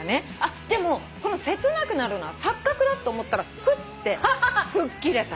でもこの切なくなるのは錯覚だって思ったらふって吹っ切れたの。